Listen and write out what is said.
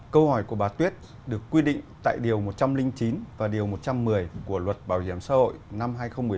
câu hỏi của bà tuyết được quy định tại điều một trăm linh chín và điều một trăm một mươi của luật bảo hiểm xã hội năm hai nghìn một mươi bốn